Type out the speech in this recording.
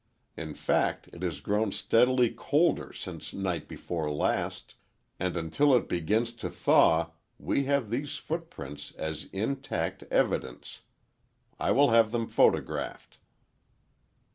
In fact it has grown steadily colder since night before last, and until it begins to thaw we have these footprints as intact evidence. I will have them photographed."